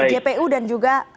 jpu dan juga